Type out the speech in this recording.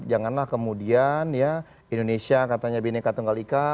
janganlah kemudian ya indonesia katanya bineka tunggal ika